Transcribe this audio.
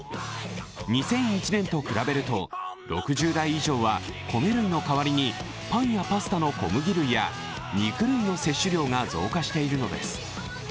２００１年と比べると６０代以上は米類の代わりにパンやパスタの小麦粉や、肉類の摂取量が増加しているのです。